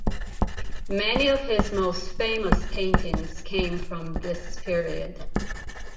Many of his most famous paintings come from this period.